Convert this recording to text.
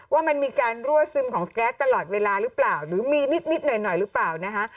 ว่ามันมีการรั่วซึมของแก๊สตลอดเวลาหรือเปล่าหรือมีนิดหน่อยหรือเปล่านะคะ